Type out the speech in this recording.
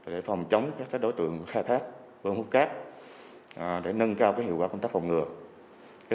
để phòng chống các đối tượng khai thác vận hút cát để nâng cao hiệu quả công tác phòng ngừa